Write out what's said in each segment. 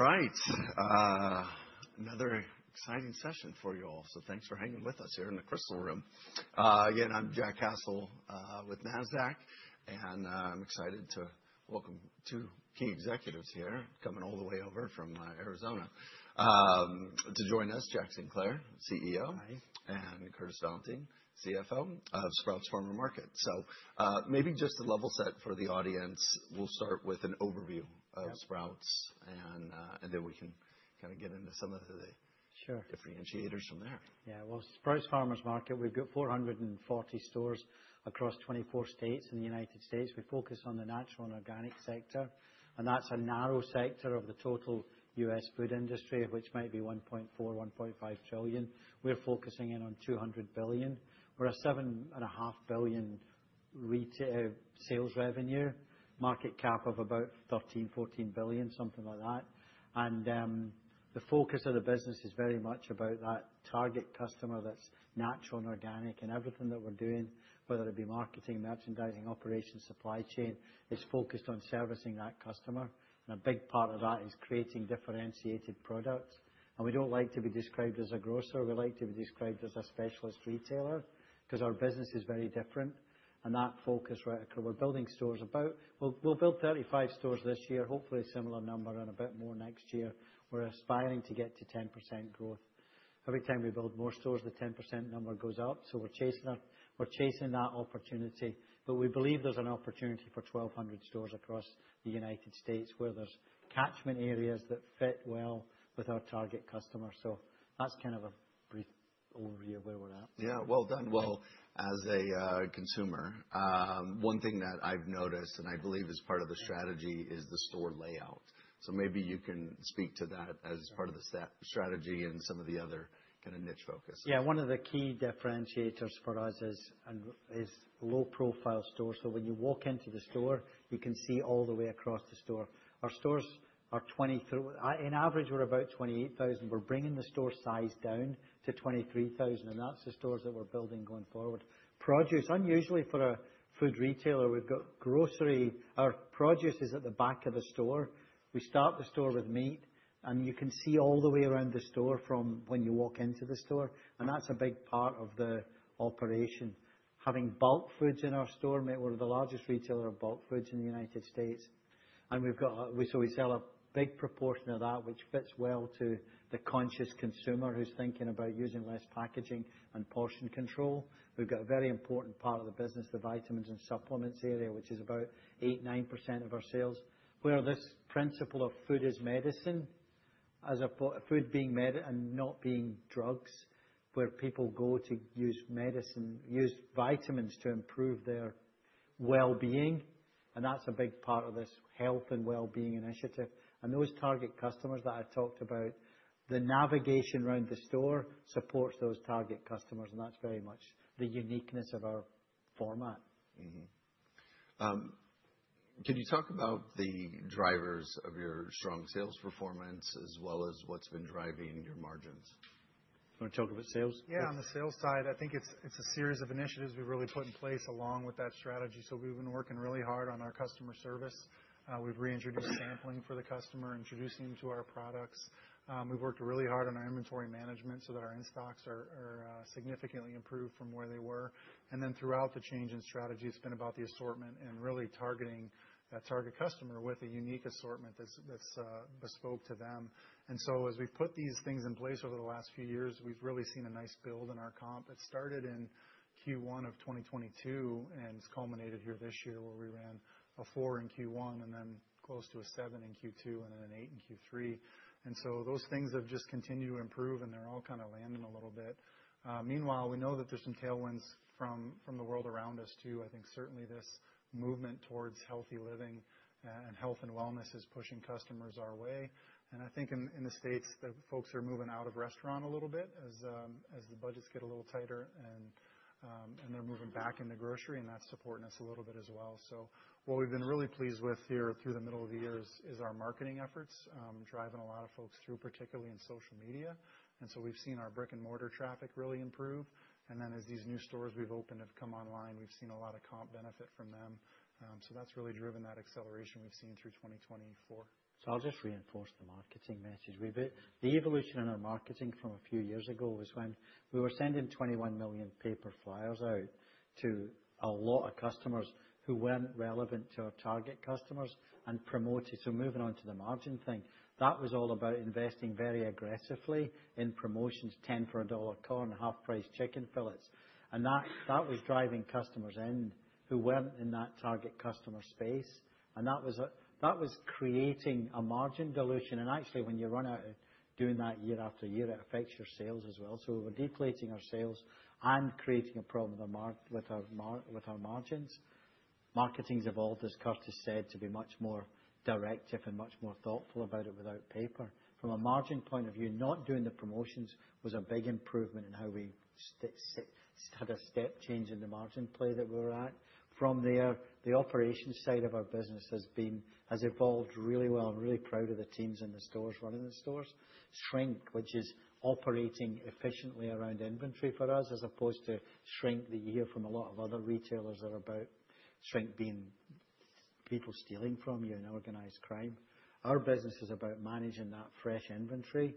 All right. Another exciting session for you all. So thanks for hanging with us here in the Crystal Room. Again, I'm Jack Cassel with Nasdaq, and I'm excited to welcome two key executives here, coming all the way over from Arizona to join us: Jack Sinclair, CEO, and Curtis Valentine, CFO of Sprouts Farmers Market. So maybe just to level set for the audience, we'll start with an overview of Sprouts, and then we can kind of get into some of the differentiators from there. Yeah. Well, Sprouts Farmers Market, we've got 440 stores across 24 states in the United States. We focus on the natural and organic sector, and that's a narrow sector of the total U.S. food industry, which might be $1.4-$1.5 trillion. We're focusing in on $200 billion. We're a $7.5 billion retail sales revenue, market cap of about $13-$14 billion, something like that. And the focus of the business is very much about that target customer that's natural and organic. And everything that we're doing, whether it be marketing, merchandising, operations, supply chain, is focused on servicing that customer. And a big part of that is creating differentiated products. And we don't like to be described as a grocer. We like to be described as a specialist retailer because our business is very different. And that focus, we're building stores about, we'll build 35 stores this year, hopefully a similar number and a bit more next year. We're aspiring to get to 10% growth. Every time we build more stores, the 10% number goes up. So we're chasing that opportunity. But we believe there's an opportunity for 1,200 stores across the United States where there's catchment areas that fit well with our target customer. So that's kind of a brief overview of where we're at. Yeah. Well done. As a consumer, one thing that I've noticed, and I believe is part of the strategy, is the store layout. So maybe you can speak to that as part of the strategy and some of the other kind of niche focus. Yeah. One of the key differentiators for us is low-profile stores. So when you walk into the store, you can see all the way across the store. Our stores are 23,000 on average. We're about 28,000. We're bringing the store size down to 23,000, and that's the stores that we're building going forward. Produce, unusually for a food retailer, our produce is at the back of the store. We start the store with meat, and you can see all the way around the store from when you walk into the store. And that's a big part of the operation. Having bulk foods in our store, we're the largest retailer of bulk foods in the United States. And so we sell a big proportion of that, which fits well to the conscious consumer who's thinking about using less packaging and portion control. We've got a very important part of the business, the vitamins and supplements area, which is about 8-9% of our sales. We're on this principle of food as medicine, as food being medicine and not being drugs, where people go to use medicine, use vitamins to improve their well-being, and that's a big part of this health and well-being initiative, and those target customers that I talked about, the navigation around the store supports those target customers, and that's very much the uniqueness of our format. Can you talk about the drivers of your strong sales performance as well as what's been driving your margins? You want to talk about sales? Yeah. On the sales side, I think it's a series of initiatives we've really put in place along with that strategy. So we've been working really hard on our customer service. We've reintroduced sampling for the customer, introducing them to our products. We've worked really hard on our inventory management so that our in-stocks are significantly improved from where they were. And then throughout the change in strategy, it's been about the assortment and really targeting that target customer with a unique assortment that's bespoke to them. And so as we've put these things in place over the last few years, we've really seen a nice build in our comp. It started in Q1 of 2022 and culminated here this year where we ran a 4% in Q1 and then close to a 7% in Q2 and then an 8% in Q3. And so those things have just continued to improve, and they're all kind of landing a little bit. Meanwhile, we know that there's some tailwinds from the world around us too. I think certainly this movement towards healthy living and health and wellness is pushing customers our way. And I think in the States, the folks are moving out of restaurant a little bit as the budgets get a little tighter, and they're moving back into grocery, and that's supporting us a little bit as well. So what we've been really pleased with here through the middle of the year is our marketing efforts, driving a lot of folks through, particularly in social media. And so we've seen our brick-and-mortar traffic really improve. And then as these new stores we've opened have come online, we've seen a lot of comp benefit from them. So that's really driven that acceleration we've seen through 2024. So I'll just reinforce the marketing message. The evolution in our marketing from a few years ago was when we were sending 21 million paper flyers out to a lot of customers who weren't relevant to our target customers and promoted. So moving on to the margin thing, that was all about investing very aggressively in promotions, 10 for $1 corn, half-priced chicken filets. And that was driving customers in who weren't in that target customer space. And that was creating a margin dilution. And actually, when you run out of doing that year after year, it affects your sales as well. So we're deflating our sales and creating a problem with our margins. Marketing's evolved, as Curtis said, to be much more directive and much more thoughtful about it without paper. From a margin point of view, not doing the promotions was a big improvement in how we had a step change in the margin play that we were at. From there, the operations side of our business has evolved really well. I'm really proud of the teams and the stores running the stores. Shrink, which is operating efficiently around inventory for us, as opposed to shrink that you hear from a lot of other retailers that are about shrink being people stealing from you and organized crime. Our business is about managing that fresh inventory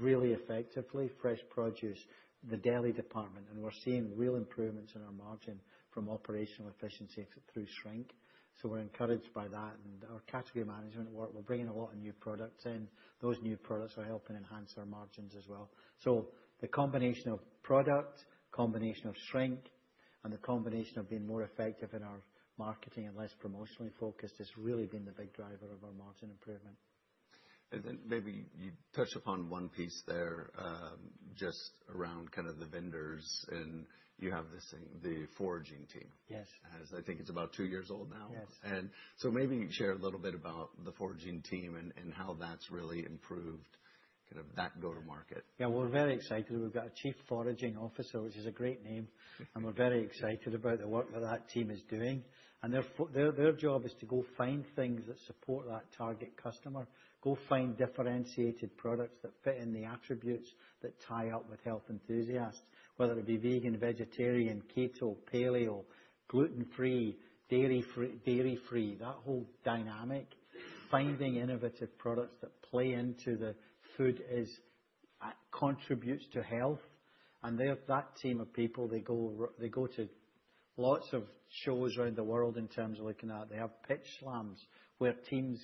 really effectively, fresh produce, the deli department, and we're seeing real improvements in our margin from operational efficiency through shrink, so we're encouraged by that and our category management work. We're bringing a lot of new products in. Those new products are helping enhance our margins as well. So the combination of product, combination of shrink, and the combination of being more effective in our marketing and less promotionally focused has really been the big driver of our margin improvement. And then maybe you touched upon one piece there just around kind of the vendors, and you have the foraging team. Yes. I think it's about two years old now. Yes. Maybe share a little bit about the foraging team and how that's really improved kind of that go-to-market. Yeah. We're very excited. We've got a Chief Foraging Officer, which is a great name, and we're very excited about the work that that team is doing. And their job is to go find things that support that target customer, go find differentiated products that fit in the attributes that tie up with health enthusiasts, whether it be vegan, vegetarian, keto, paleo, gluten-free, dairy-free, that whole dynamic, finding innovative products that play into the food as medicine contributes to health. And that team of people, they go to lots of shows around the world in terms of looking at it. They have pitch slams where teams,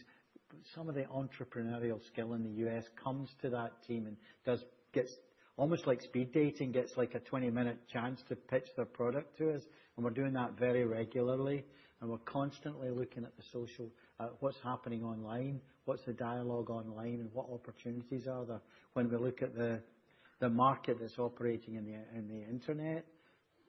some of the entrepreneurial skill in the U.S. comes to that team and gets almost like speed dating, gets like a 20-minute chance to pitch their product to us. We're doing that very regularly, and we're constantly looking at the social, at what's happening online, what's the dialogue online, and what opportunities are there when we look at the market that's operating in the internet.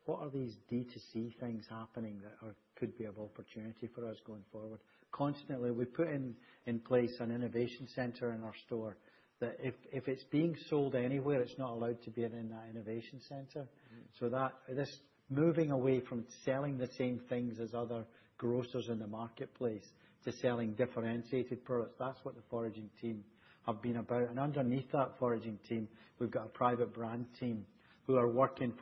What are these D2C things happening that could be of opportunity for us going forward? Constantly, we've put in place an innovation center in our store that if it's being sold anywhere, it's not allowed to be in that innovation center. This moving away from selling the same things as other grocers in the marketplace to selling differentiated products, that's what the foraging team have been about. Underneath that foraging team, we've got a private brand team who are working,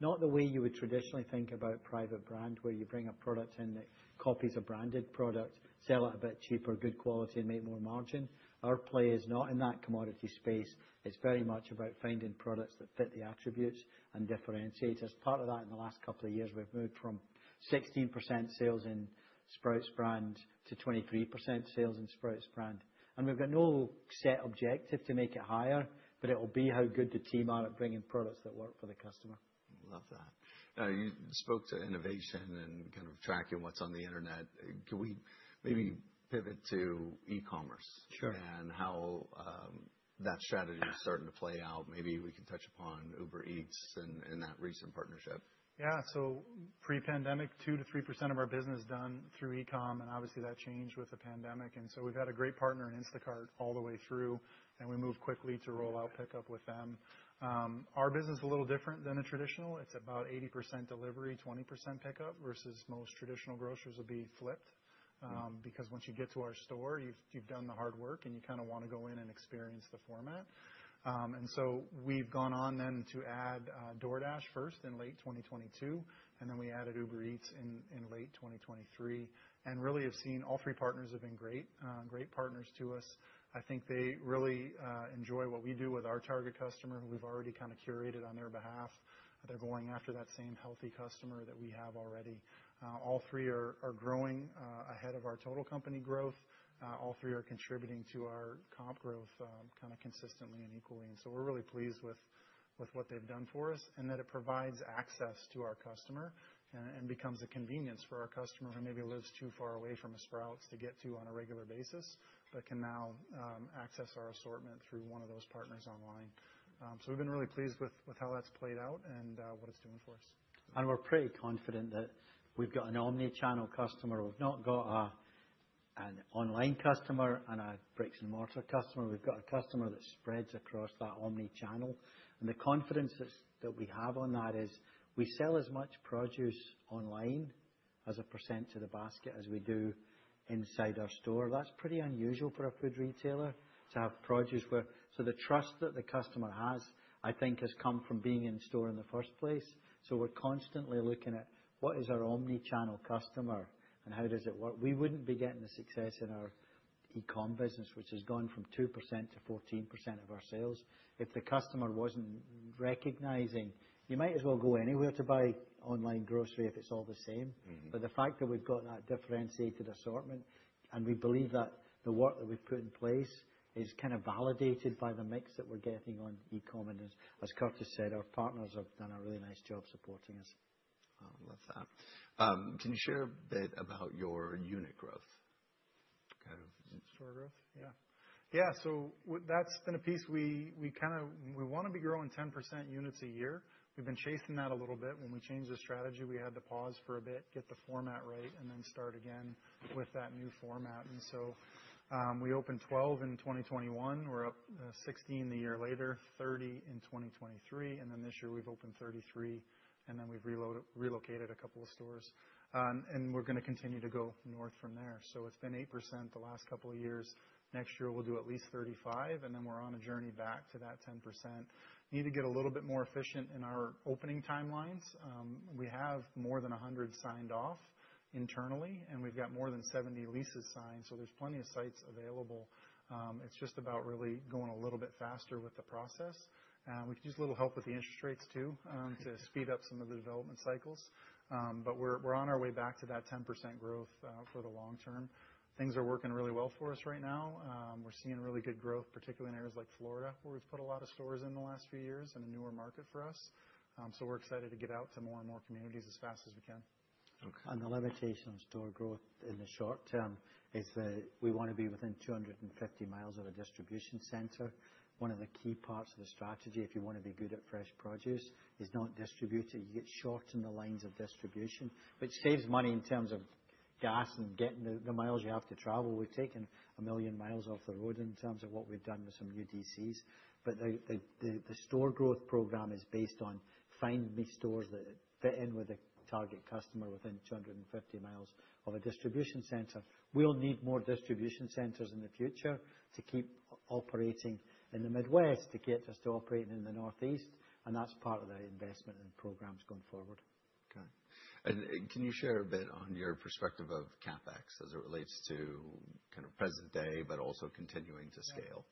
not the way you would traditionally think about private brand where you bring a product in that copies a branded product, sell it a bit cheaper, good quality, and make more margin. Our play is not in that commodity space. It's very much about finding products that fit the attributes and differentiate. As part of that, in the last couple of years, we've moved from 16% sales in Sprouts Brand to 23% sales in Sprouts Brand. We've got no set objective to make it higher, but it'll be how good the team are at bringing products that work for the customer. Love that. Now, you spoke to innovation and kind of tracking what's on the internet. Can we maybe pivot to e-commerce and how that strategy is starting to play out? Maybe we can touch upon Uber Eats and that recent partnership. Yeah. So pre-pandemic, 2% to 3% of our business done through e-com, and obviously that changed with the pandemic. And so we've had a great partner in Instacart all the way through, and we moved quickly to roll out pickup with them. Our business is a little different than a traditional. It's about 80% delivery, 20% pickup versus most traditional grocers would be flipped because once you get to our store, you've done the hard work, and you kind of want to go in and experience the format. And so we've gone on then to add DoorDash first in late 2022, and then we added Uber Eats in late 2023. And really, I've seen all three partners have been great, great partners to us. I think they really enjoy what we do with our target customer who we've already kind of curated on their behalf. They're going after that same healthy customer that we have already. All three are growing ahead of our total company growth. All three are contributing to our comp growth kind of consistently and equally. And so we're really pleased with what they've done for us and that it provides access to our customer and becomes a convenience for our customer who maybe lives too far away from a Sprouts to get to on a regular basis but can now access our assortment through one of those partners online. So we've been really pleased with how that's played out and what it's doing for us. We're pretty confident that we've got an omnichannel customer. We've not got an online customer and a bricks and mortar customer. We've got a customer that spreads across that omnichannel. The confidence that we have on that is we sell as much produce online as a percent to the basket as we do inside our store. That's pretty unusual for a food retailer to have produce share. The trust that the customer has, I think, has come from being in store in the first place. We're constantly looking at what is our omnichannel customer and how does it work. We wouldn't be getting the success in our e-com business, which has gone from 2%-14% of our sales. If the customer wasn't recognizing, you might as well go anywhere to buy online grocery if it's all the same. But the fact that we've got that differentiated assortment and we believe that the work that we've put in place is kind of validated by the mix that we're getting on e-com. And as Curtis said, our partners have done a really nice job supporting us. Love that. Can you share a bit about your unit growth? Kind of. Store growth? Yeah. Yeah. So that's been a piece we kind of want to be growing 10% units a year. We've been chasing that a little bit. When we changed the strategy, we had to pause for a bit, get the format right, and then start again with that new format. And so we opened 12 in 2021. We're up 16 the year later, 30 in 2023. And then this year, we've opened 33, and then we've relocated a couple of stores. And we're going to continue to go north from there. So it's been 8% the last couple of years. Next year, we'll do at least 35, and then we're on a journey back to that 10%. Need to get a little bit more efficient in our opening timelines. We have more than 100 signed off internally, and we've got more than 70 leases signed. So there's plenty of sites available. It's just about really going a little bit faster with the process. We could use a little help with the interest rates too to speed up some of the development cycles. But we're on our way back to that 10% growth for the long term. Things are working really well for us right now. We're seeing really good growth, particularly in areas like Florida where we've put a lot of stores in the last few years and a newer market for us. So we're excited to get out to more and more communities as fast as we can. The limitation of store growth in the short term is that we want to be within 250 miles of a distribution center. One of the key parts of the strategy, if you want to be good at fresh produce, is not to distribute it. You shorten the lines of distribution, which saves money in terms of gas and getting the miles you have to travel. We're taking a million miles off the road in terms of what we've done with some new DCs. The store growth program is based on finding stores that fit in with the target customer within 250 miles of a distribution center. We'll need more distribution centers in the future to keep operating in the Midwest, to get us to operate in the Northeast. That's part of the investment in programs going forward. Got it. And can you share a bit on your perspective of CapEx as it relates to kind of present day, but also continuing to scale?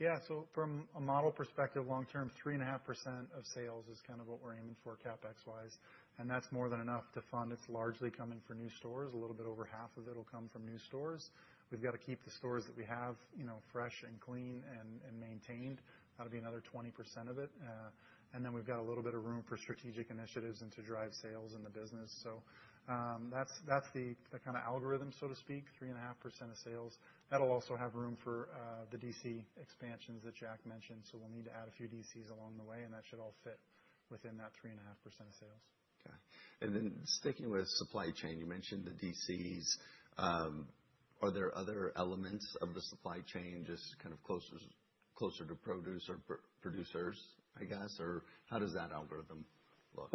Yeah. So from a model perspective, long term, 3.5% of sales is kind of what we're aiming for CapEx-wise. And that's more than enough to fund. It's largely coming from new stores. A little bit over half of it will come from new stores. We've got to keep the stores that we have fresh and clean and maintained. That'll be another 20% of it. And then we've got a little bit of room for strategic initiatives and to drive sales in the business. So that's the kind of algorithm, so to speak, 3.5% of sales. That'll also have room for the DC expansions that Jack mentioned. So we'll need to add a few DCs along the way, and that should all fit within that 3.5% of sales. Okay. And then sticking with supply chain, you mentioned the DCs. Are there other elements of the supply chain just kind of closer to produce or producers, I guess? Or how does that algorithm look?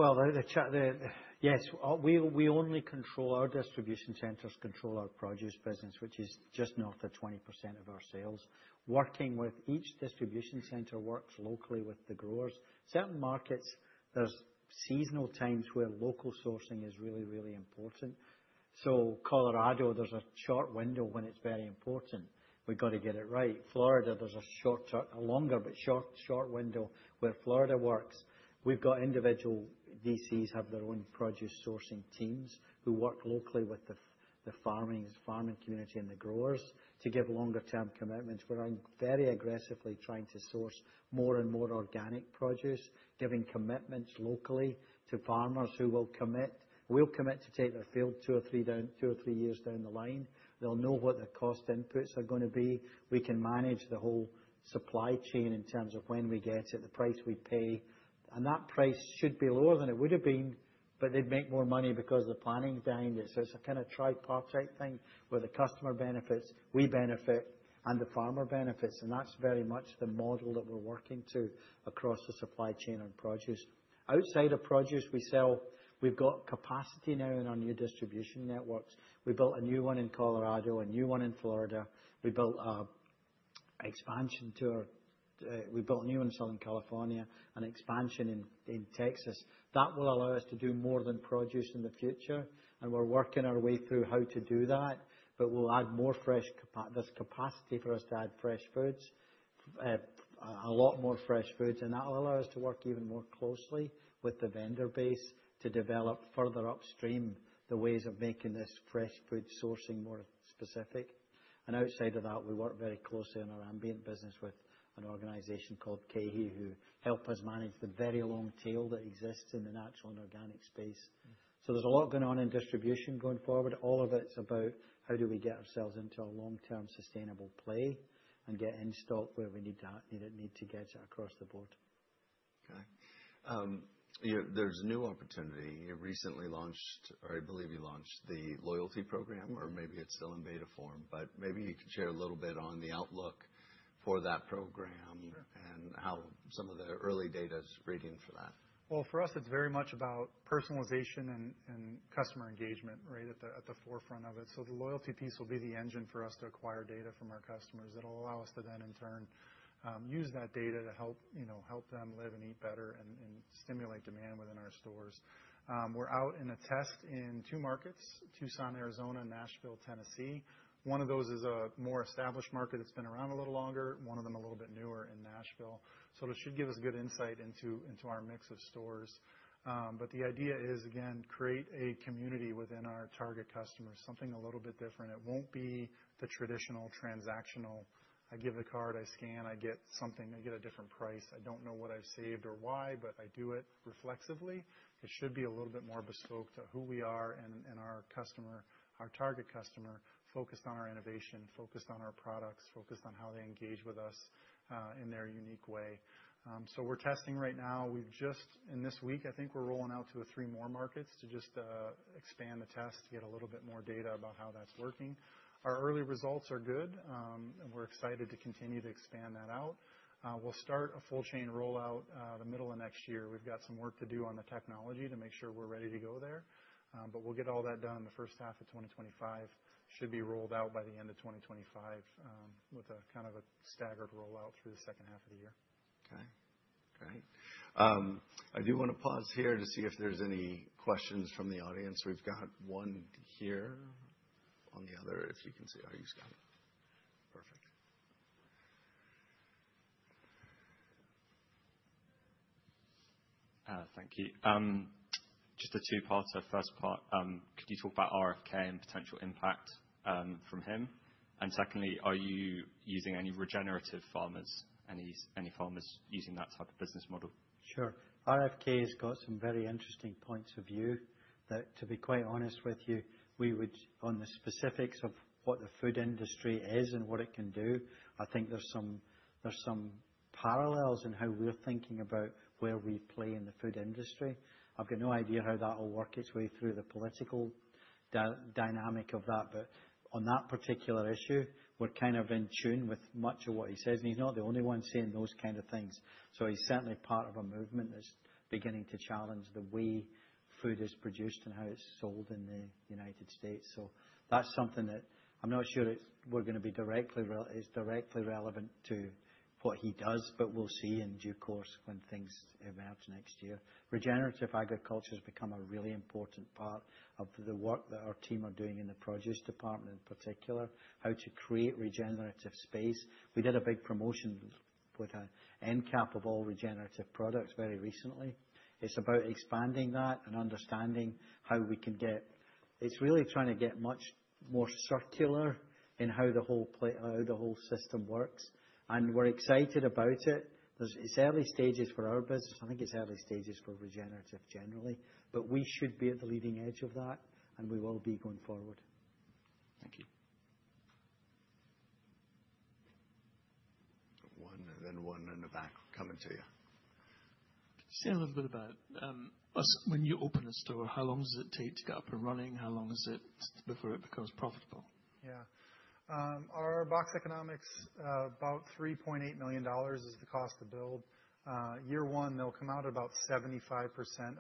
Yes. We only control our distribution centers control our produce business, which is just north of 20% of our sales. Working with each distribution center works locally with the growers. Certain markets, there's seasonal times where local sourcing is really, really important. So Colorado, there's a short window when it's very important. We've got to get it right. Florida, there's a longer, but short window where Florida works. We've got individual DCs have their own produce sourcing teams who work locally with the farming community and the growers to give longer-term commitments. We're very aggressively trying to source more and more organic produce, giving commitments locally to farmers who will commit, will commit to take their field two or three years down the line. They'll know what the cost inputs are going to be. We can manage the whole supply chain in terms of when we get it, the price we pay, and that price should be lower than it would have been, but they'd make more money because of the planning behind it, so it's a kind of tripartite thing where the customer benefits, we benefit, and the farmer benefits, and that's very much the model that we're working to across the supply chain on produce. Outside of produce, we've got capacity now in our new distribution networks. We built a new one in Colorado, a new one in Florida. We built a new one in Southern California, an expansion in Texas. That will allow us to do more than produce in the future. We're working our way through how to do that, but we'll add more fresh, there's capacity for us to add fresh foods, a lot more fresh foods. That will allow us to work even more closely with the vendor base to develop further upstream the ways of making this fresh food sourcing more specific. Outside of that, we work very closely on our ambient business with an organization called KeHE who help us manage the very long tail that exists in the natural and organic space. There's a lot going on in distribution going forward. All of it's about how do we get ourselves into a long-term sustainable play and get in stock where we need to get it across the board. Okay. There's a new opportunity. You recently launched, or I believe you launched, the loyalty program, or maybe it's still in beta form, but maybe you could share a little bit on the outlook for that program and how some of the early data is reading for that. For us, it's very much about personalization and customer engagement right at the forefront of it. The loyalty piece will be the engine for us to acquire data from our customers that will allow us to then in turn use that data to help them live and eat better and stimulate demand within our stores. We're out in a test in two markets: Tucson, Arizona, and Nashville, Tennessee. One of those is a more established market that's been around a little longer. One of them a little bit newer in Nashville. It should give us good insight into our mix of stores. The idea is, again, create a community within our target customers, something a little bit different. It won't be the traditional transactional. I give the card, I scan, I get something, I get a different price. I don't know what I've saved or why, but I do it reflexively. It should be a little bit more bespoke to who we are and our target customer, focused on our innovation, focused on our products, focused on how they engage with us in their unique way. So we're testing right now. We've just, in this week, I think we're rolling out to three more markets to just expand the test, get a little bit more data about how that's working. Our early results are good, and we're excited to continue to expand that out. We'll start a full-chain rollout the middle of next year. We've got some work to do on the technology to make sure we're ready to go there. But we'll get all that done in the first half of 2025. Should be rolled out by the end of 2025 with kind of a staggered rollout through the second half of the year. Okay. Great. I do want to pause here to see if there's any questions from the audience. We've got one here on the other, if you can see. Oh, you've got it. Perfect. Thank you. Just a two-parter. First part, could you talk about RFK and potential impact from him? And secondly, are you using any regenerative farmers, any farmers using that type of business model? Sure. RFK has got some very interesting points of view that, to be quite honest with you, we would, on the specifics of what the food industry is and what it can do, I think there's some parallels in how we're thinking about where we play in the food industry. I've got no idea how that will work its way through the political dynamic of that, but on that particular issue, we're kind of in tune with much of what he says. And he's not the only one saying those kind of things. So he's certainly part of a movement that's beginning to challenge the way food is produced and how it's sold in the United States. So that's something that I'm not sure we're going to be directly relevant to what he does, but we'll see in due course when things emerge next year. Regenerative agriculture has become a really important part of the work that our team are doing in the produce department in particular, how to create regenerative space. We did a big promotion with an end cap of all regenerative products very recently. It's about expanding that and understanding how we can get. It's really trying to get much more circular in how the whole system works, and we're excited about it. It's early stages for our business. I think it's early stages for regenerative generally, but we should be at the leading edge of that, and we will be going forward. Thank you. One and then one in the back coming to you. Could you say a little bit about when you open a store, how long does it take to get up and running? How long is it before it becomes profitable? Yeah. Our box economics, about $3.8 million is the cost to build. Year one, they'll come out at about 75%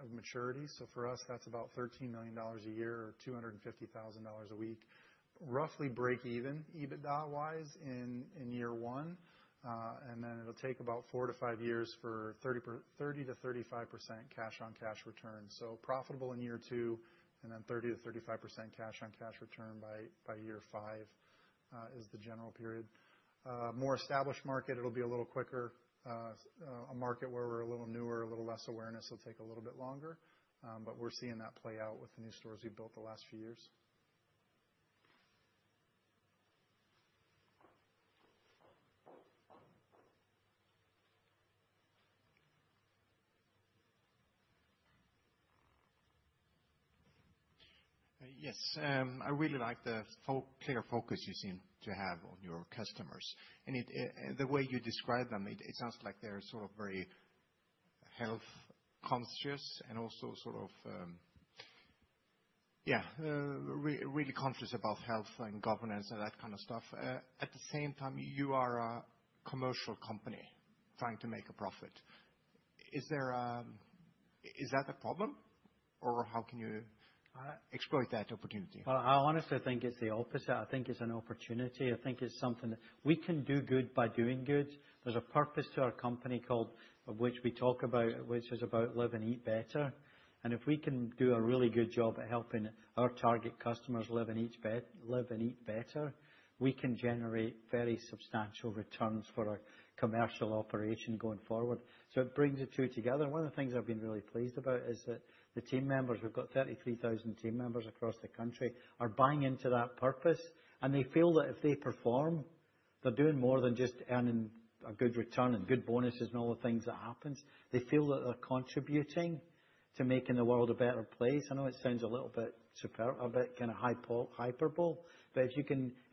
of maturity. So for us, that's about $13 million a year or $250,000 a week, roughly break-even EBITDA-wise in year one. And then it'll take about four to five years for 30%-35% cash-on-cash return. So profitable in year two, and then 30%-35% cash-on-cash return by year five is the general period. More established market, it'll be a little quicker. A market where we're a little newer, a little less awareness, it'll take a little bit longer. But we're seeing that play out with the new stores we've built the last few years. Yes. I really like the clear focus you seem to have on your customers. And the way you describe them, it sounds like they're sort of very health conscious and also sort of, yeah, really conscious about health and governance and that kind of stuff. At the same time, you are a commercial company trying to make a profit. Is that a problem, or how can you exploit that opportunity? I honestly think it's the opposite. I think it's an opportunity. I think it's something that we can do good by doing good. There's a purpose to our company called which we talk about, which is about live and eat better. And if we can do a really good job at helping our target customers live and eat better, we can generate very substantial returns for our commercial operation going forward. So it brings the two together. One of the things I've been really pleased about is that the team members, we've got 33,000 team members across the country, are buying into that purpose. And they feel that if they perform, they're doing more than just earning a good return and good bonuses and all the things that happen. They feel that they're contributing to making the world a better place. I know it sounds a little bit kind of hyperbole, but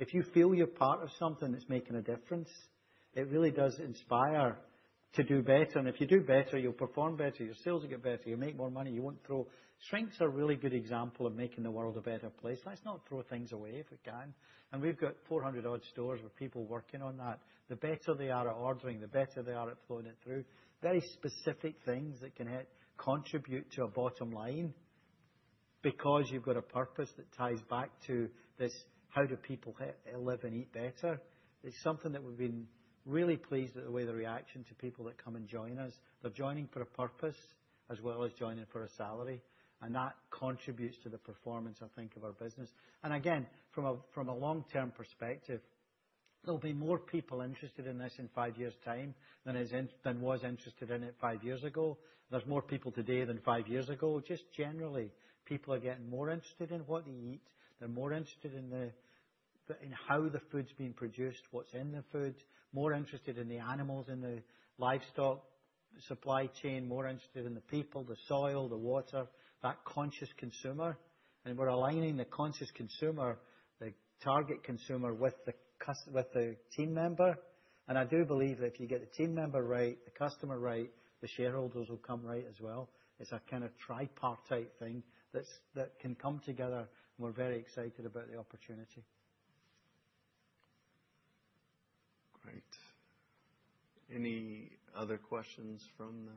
if you feel you're part of something that's making a difference, it really does inspire to do better. And if you do better, you'll perform better. Your sales will get better. You'll make more money. You won't throw. Sprouts are a really good example of making the world a better place. Let's not throw things away if we can. And we've got 400-odd stores with people working on that. The better they are at ordering, the better they are at flowing it through. Very specific things that can contribute to a bottom line because you've got a purpose that ties back to this, how do people live and eat better? It's something that we've been really pleased with the way the reaction to people that come and join us. They're joining for a purpose as well as joining for a salary. That contributes to the performance, I think, of our business. Again, from a long-term perspective, there'll be more people interested in this in five years' time than was interested in it five years ago. There's more people today than five years ago. Just generally, people are getting more interested in what they eat. They're more interested in how the food's being produced, what's in the food, more interested in the animals and the livestock supply chain, more interested in the people, the soil, the water, that conscious consumer. We're aligning the conscious consumer, the target consumer, with the team member. I do believe that if you get the team member right, the customer right, the shareholders will come right as well. It's a kind of tripartite thing that can come together, and we're very excited about the opportunity. Great. Any other questions from?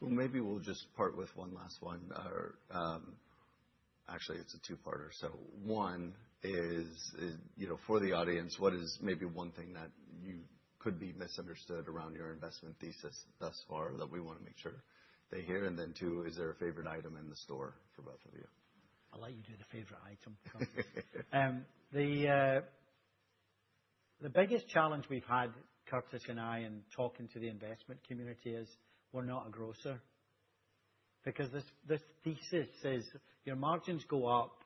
Well, maybe we'll just part with one last one. Actually, it's a two-parter. So one is, for the audience, what is maybe one thing that you could be misunderstood around your investment thesis thus far that we want to make sure they hear? And then two, is there a favorite item in the store for both of you? I'll let you do the favorite item. The biggest challenge we've had, Curtis and I, in talking to the investment community is we're not a grocer. Because this thesis is your margins go up,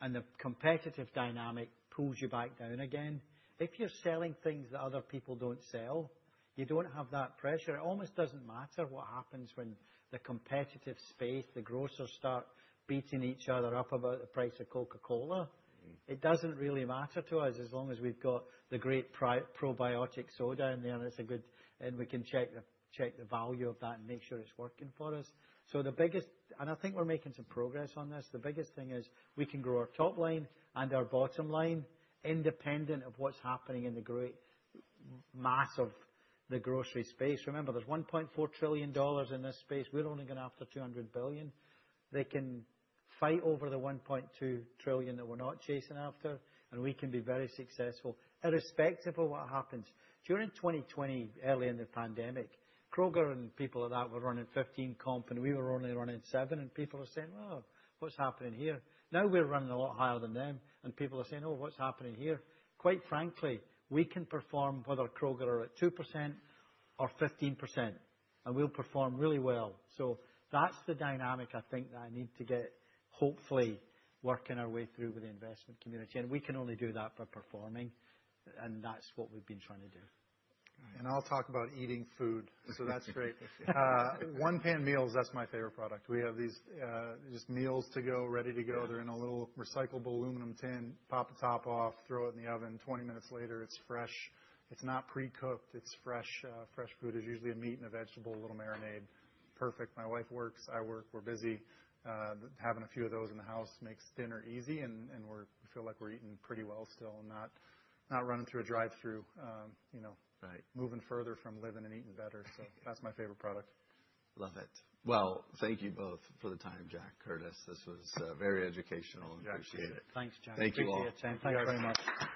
and the competitive dynamic pulls you back down again. If you're selling things that other people don't sell, you don't have that pressure. It almost doesn't matter what happens when the competitive space, the grocers start beating each other up about the price of Coca-Cola. It doesn't really matter to us as long as we've got the great probiotic soda in there and it's a good, and we can check the value of that and make sure it's working for us. So the biggest, and I think we're making some progress on this, the biggest thing is we can grow our top line and our bottom line independent of what's happening in the great mass of the grocery space. Remember, there's $1.4 trillion in this space. We're only going after $200 billion. They can fight over the $1.2 trillion that we're not chasing after, and we can be very successful irrespective of what happens. During 2020, early in the pandemic, Kroger and people like that were running 15% comp, and we were only running 7%. And people were saying, "Well, what's happening here?" Now we're running a lot higher than them, and people are saying, "Oh, what's happening here?" Quite frankly, we can perform whether Kroger are at 2% or 15%, and we'll perform really well, so that's the dynamic I think that I need to get hopefully working our way through with the investment community, and we can only do that by performing, and that's what we've been trying to do. I'll talk about eating food. So that's great. One Pan Meals, that's my favorite product. We have these just meals to go, ready to go. They're in a little recyclable aluminum tin. Pop a top off, throw it in the oven. 20 minutes later, it's fresh. It's not pre-cooked. It's fresh food. There's usually a meat and a vegetable, a little marinade. Perfect. My wife works. I work. We're busy. Having a few of those in the house makes dinner easy, and we feel like we're eating pretty well still and not running through a drive-through, moving further from living and eating better. So that's my favorite product. Love it. Well, thank you both for the time, Jack, Curtis. This was very educational. Appreciate it. Thanks, Jack. Thank you all. Thank you very much.